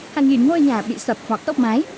hàng nghìn ngôi nhà bị sập hoặc tốc mái